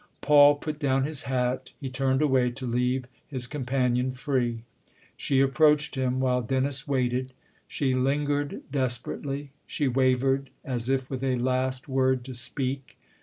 Paul put down his hat ; he turned away to leave his com panion free. She approached him while Dennis waited ; she lingered desperately, she wavered, as if with a last word to speak.